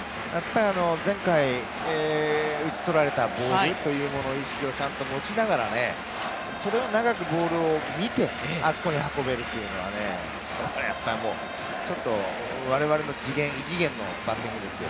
前回、打ち取られたボールというものの意識をちゃんと持ちながら、それを長くボールを見てあそこに運べるというのはやっぱりもう、ちょっと我々の次元異次元のバッティングですよ。